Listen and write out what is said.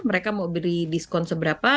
mereka mau beri diskon seberapa